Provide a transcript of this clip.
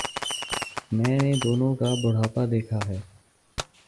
میں نے دونوں کا بڑھاپا دیکھا ہے۔